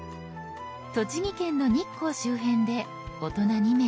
栃木県の日光周辺で大人２名１部屋。